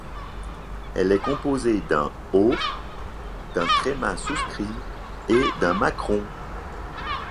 Elle est composée d’un O, d’un tréma souscrit et d’un macron.